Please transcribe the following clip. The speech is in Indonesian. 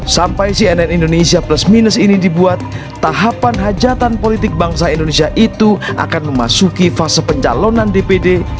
sampai cnn indonesia plus minus ini dibuat tahapan hajatan politik bangsa indonesia itu akan memasuki fase pencalonan dpd